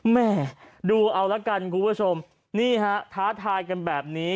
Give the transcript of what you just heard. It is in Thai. แม่ดูเอาละกันคุณผู้ชมนี่ฮะท้าทายกันแบบนี้